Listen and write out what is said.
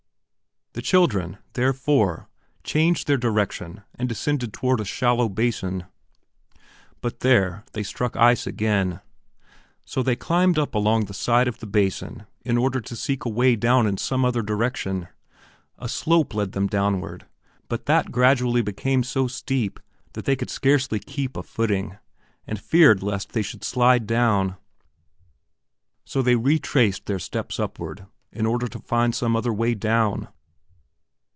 The children, therefore, changed their direction and descended toward a shallow basin. But there they struck ice again. So they climbed up along the side of the basin in order to seek a way down in some other direction. A slope led them downward, but that gradually became so steep that they could scarcely keep a footing and feared lest they should slide down. So they retraced their steps upward to find some other way down.